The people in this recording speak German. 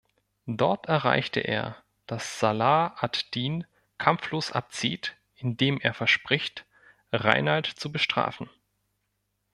Dort erreicht er, dass Salah ad-Din kampflos abzieht, indem er verspricht, Rainald zu bestrafen.